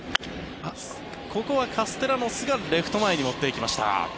ここはカステラノスがレフト前に持っていきました。